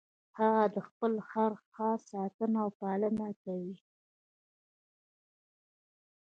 هغه د خپل خر ښه ساتنه او پالنه کوله.